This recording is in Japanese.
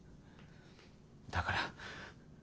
だから。